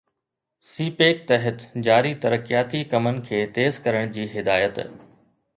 سي pack تحت جاري ترقياتي ڪمن کي تيز ڪرڻ جي هدايت